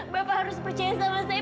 bapak harus percaya sama saya